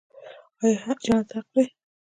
آیا جنت حق دی؟